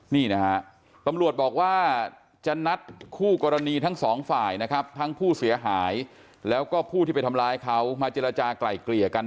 นี่นะฮะตำรวจบอกว่าจะนัดคู่กรณีทั้งสองฝ่ายนะครับทั้งผู้เสียหายแล้วก็ผู้ที่ไปทำร้ายเขามาเจรจากลายเกลี่ยกัน